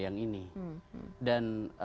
yang ini dan